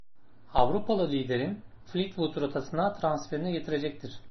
"Avrupalı Liderin” Fleetwood rotasına transferini getirecektir.